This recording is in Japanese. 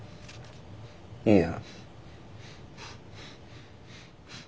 いや―」。